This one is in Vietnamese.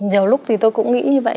nhiều lúc thì tôi cũng nghĩ như vậy